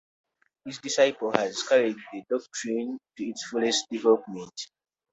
His disciple has carried the doctrine to its fullest development.